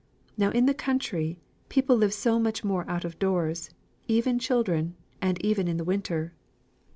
Now in the country, people live so much more out of doors, even children, and even in the winter."